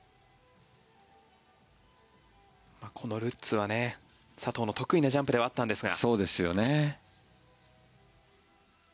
このルッツは佐藤の得意なジャンプではあったんですが。